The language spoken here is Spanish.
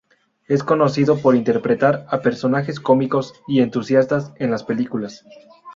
Es conocido por interpretar a personajes cómicos y entusiastas en las películas.